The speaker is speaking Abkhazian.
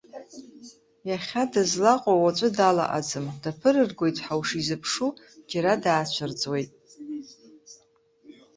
Иахьа дызлаҟоу уаҵәы далаҟаӡам, даԥырыргоит ҳәа ушизыԥшу џьара даацәырҵуеит.